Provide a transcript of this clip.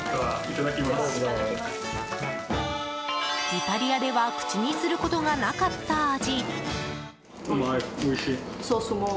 イタリアでは口にすることがなかった味。